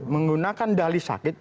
menggunakan dali sakit